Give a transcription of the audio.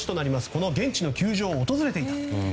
この現地の球場を訪れていた。